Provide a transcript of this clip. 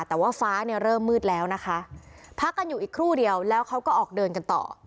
แต่ว่าฟ้าเนี่ยเริ่มมืดแล้วนะคะพักกันอยู่อีกครู่เดียวแล้วเขาก็ออกเดินกันต่อ